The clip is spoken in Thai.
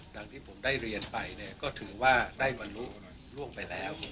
ดังที่ผมได้เรียนไปเนี่ยก็ถือว่าได้มารู้ร่วมไปแล้ว